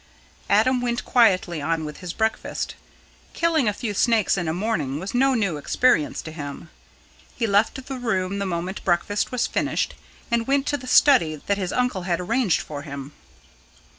Adam went quietly on with his breakfast. Killing a few snakes in a morning was no new experience to him. He left the room the moment breakfast was finished and went to the study that his uncle had arranged for him.